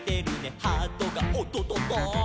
「ハートがおっとっとっと」